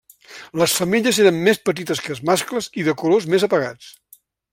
Les femelles eren més petites que els mascles i de colors més apagats.